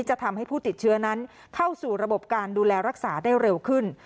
จะทำให้ผู้ติดเชื้อนั้นเข้าสู่ระบบการดูแลรักษาได้เร็วขึ้น